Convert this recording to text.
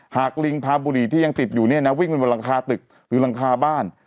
ลิงพาบุหรี่ที่ยังติดอยู่เนี่ยนะวิ่งไปบนหลังคาตึกหรือหลังคาบ้าน